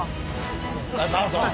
そうそう。